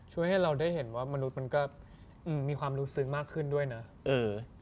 ให้เราได้เห็นว่ามนุษย์มันก็มีความรู้ซึ้งมากขึ้นด้วยนะเออ